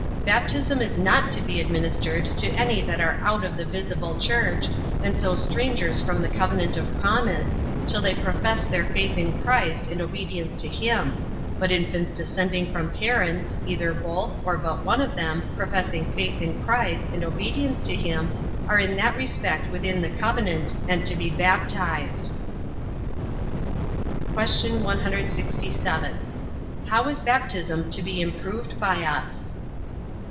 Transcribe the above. Baptism is not to be administered to any that are out of the visible church, and so strangers from the covenant of promise, till they profess their faith in Christ, and obedience to him, but infants descending from parents, either both, or but one of them, professing faith in Christ, and obedience to him, are in that respect within the covenant, and to be baptized. Q. 167. How is baptism to be improved by us?